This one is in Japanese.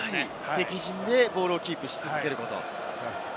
敵陣でボールをキープし続けること。